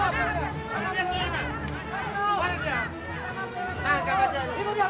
tangan jangan jangan